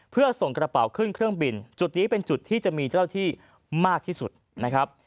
เพื่อส่งกระเป๋าขึ้นเครื่องบินจุดนี้เป็นจุดที่จะมีเจ้าที่มากที่สุดนะครับ